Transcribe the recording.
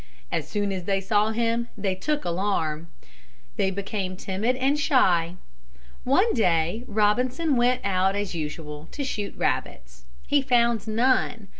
As soon as they saw him, they took alarm. They became timid and shy. One day Robinson went out as usual to shoot rabbits. He found none.